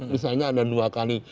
misalnya ada dua kali